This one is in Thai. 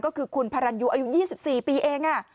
ก็คือคุณพระรันยูอายุ๒๔ปีเอง